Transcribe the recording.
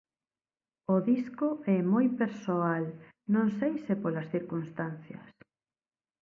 O disco é moi persoal, non sei se polas circunstancias.